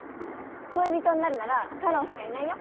恋人になるならたろーしかいないよ。